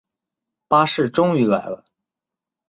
巴士终于来了